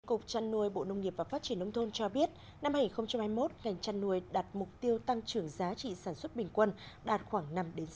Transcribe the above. cục trăn nuôi bộ nông nghiệp và phát triển nông thôn cho biết năm hai nghìn hai mươi một ngành chăn nuôi đạt mục tiêu tăng trưởng giá trị sản xuất bình quân đạt khoảng năm sáu